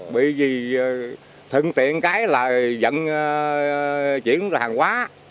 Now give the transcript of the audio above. bởi vì thường tiện cái là dẫn chuyển hàng hóa